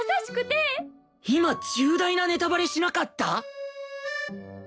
今重大なネタバレしなかった！？